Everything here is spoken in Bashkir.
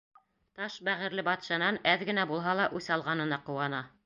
Таш бәғерле батшанан әҙ генә булһа ла үс алғанына ҡыуана.